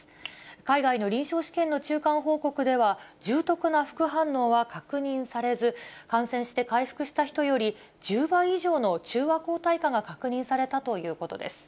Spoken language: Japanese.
海外の臨床試験の中間報告では、重篤な副反応は確認されず、感染して回復した人より、１０倍以上の中和抗体価が確認されたということです。